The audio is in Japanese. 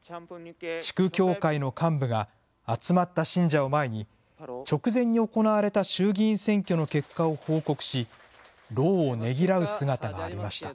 地区教会の幹部が集まった信者を前に、直前に行われた衆議院選挙の結果を報告し、労をねぎらう姿がありました。